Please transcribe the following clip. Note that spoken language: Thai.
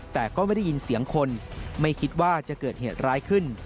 แต่ก็ไม่ได้ยินเสียงคนไม่คิดว่าจะเกิดเหตุร้ายขึ้น